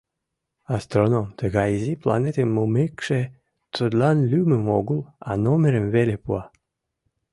Астроном, тыгай изи планетым мумекше, тудлан лӱмым огыл, а номерым веле пуа.